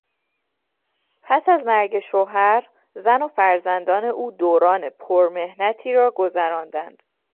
پس از مرگ شوهر، زن و فرزندان او دوران پر محنتی را گذراندند.